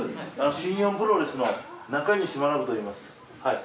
新日本プロレスの中西学といいます。